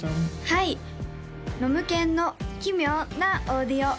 はい「ノムケンの奇妙？なオーディオ」